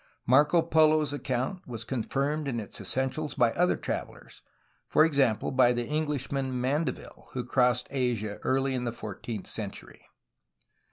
Marco Polo's account was con firmed in its essentials by other travelers, — for example, by the Englishman Mandeville, who crossed Asia early in the fourteenth century.